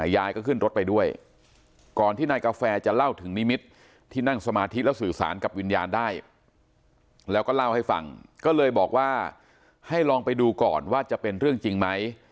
ยายก็ขึ้นรถไปด้วยก่อนที่นายกาแฟจะเล่าถึงนิมิตรที่นั่งสมาธิแล้วสื่อสารกับวิญญาณได้แล้วก็เล่าให้ฟังก็เลยบอกว่าให้ลองไปดูก่อนว่าจะเป็นเรื่องจริงไหม